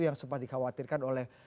yang sempat dikhawatirkan oleh